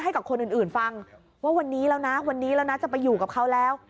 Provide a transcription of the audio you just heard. ให้กับคนอื่นฟังว่าวันนี้แล้วนะวันนี้แล้วนะจะไปอยู่กับเขาแล้ว